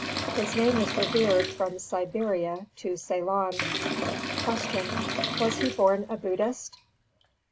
His name is revered from Siberia to Ceylon. 292. Q. _Was he born a Buddhist?